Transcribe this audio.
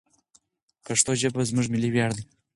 پښتو ژبه زموږ ملي ویاړ دی.